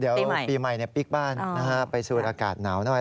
เดี๋ยวปีใหม่ปิ๊กบ้านไปสูดอากาศหนาวหน่อย